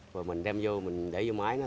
rồi mình đem vô mình để vô máy nó làm cái nhang